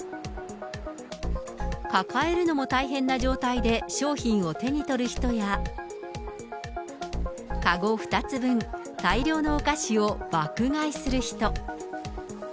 抱えるのも大変な状態で商品を手に取る人や、籠２つ分、大量のお菓子を爆買いする人。